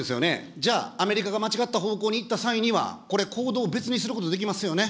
じゃあ、アメリカが間違った方向にいった際には、これ、行動を別にすることできますよね。